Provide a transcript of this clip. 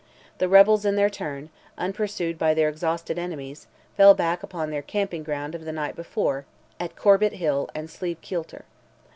The rebels, in their turn, unpursued by their exhausted enemies, fell back upon their camping ground of the night before, at Corbet hill and Slieve kielter.